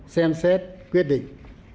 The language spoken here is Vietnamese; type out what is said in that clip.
xem xét quyết định